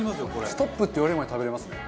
ストップって言われるまで食べれますね。